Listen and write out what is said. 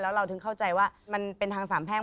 เราถึงเข้าใจว่ามันเป็นทางสามแพ่ง